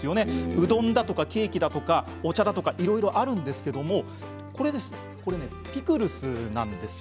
うどんやケーキ、お茶とかいろいろあるんですけれどこれは、ピクルスなんですよ。